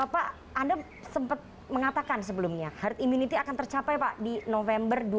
pak anda sempat mengatakan sebelumnya herd immunity akan tercapai pak di november dua ribu dua puluh